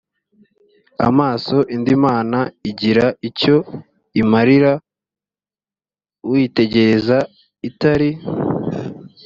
amaso indi mana igira icyo imarira uyitegereza itari